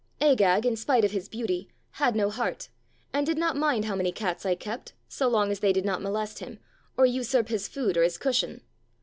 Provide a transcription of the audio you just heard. Agag, in spite of his beauty, had no heart, and did not mind how many cats I kept, so long as they did not molest him, or usurp his food or his cushion.